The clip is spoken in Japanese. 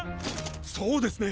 そうですね。